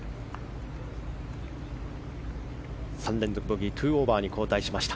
３連続ボギー２オーバーに後退しました。